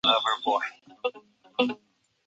人类生活和社会状况